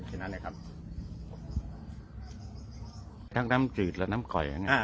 แค่นั้นเนี้ยครับทั้งน้ำจืดและน้ำก๋อยอ่า